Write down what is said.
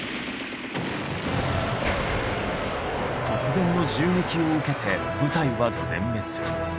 突然の銃撃を受けて部隊は全滅。